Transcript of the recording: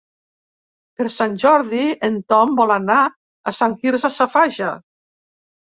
Per Sant Jordi en Tom vol anar a Sant Quirze Safaja.